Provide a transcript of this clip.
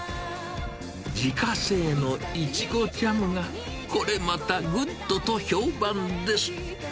自家製のイチゴジャムが、これまたグッドと評判です。